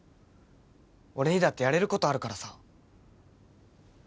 俺にだってやれることあるからさ